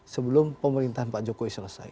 sebelum pemerintahan pak jokowi selesai